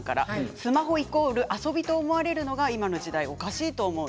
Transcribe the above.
スマホイコール遊びと思われるのが今の時代おかしいと思う。